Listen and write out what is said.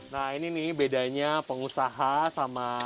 nah ini nih bedanya pengusaha sama